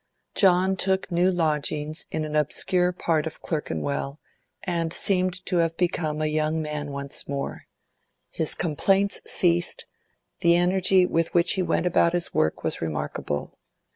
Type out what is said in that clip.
John took new lodgings in an obscure part of Clerkenwell, and seemed to have become a young man once more. His complaints ceased; the energy with which he went about his work was remarkable.